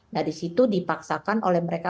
nah disitu dipaksakan oleh mereka